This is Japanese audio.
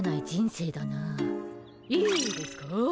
いいですかぁ。